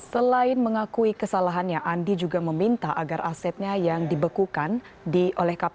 selain mengakui kesalahannya andi juga meminta agar asetnya yang dibekukan oleh kpk